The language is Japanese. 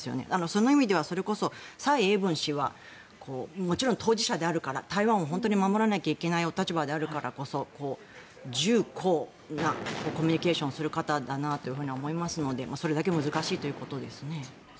その意味ではそれこそ蔡英文氏はもちろん当事者であるから台湾を本当に守らなければいけないお立場であるからこそ重厚なコミュニケーションをする方だなと思いますので、それだけ難しいということですね。